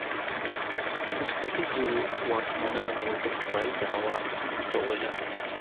مستبدو واکمنانو د خدایي دعوا هم کوله.